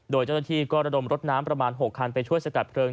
โดยเจ้าหน้าที่ก็ระดมรถน้ำประมาณ๖คันไปช่วยสกัดเพลิง